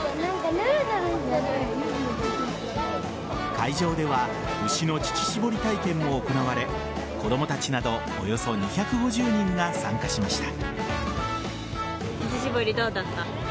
会場では牛の乳搾り体験も行われ子供たちなどおよそ２５０人が参加しました。